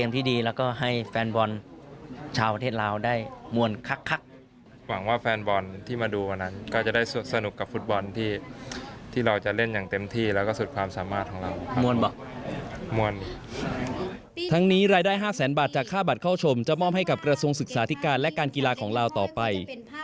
ทั้งนี้รายได้๕แสนบาทจากค่าบัตรเข้าชมจะมอบให้กับกระทรวงศึกษาธิการและการกีฬาของลาวต่อไป